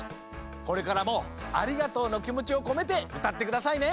これからも「ありがとう」のきもちをこめてうたってくださいね！